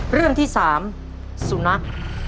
เรื่องที่๓สุนัข